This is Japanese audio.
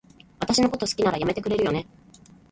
私のこと好きなら、やめてくれるよね？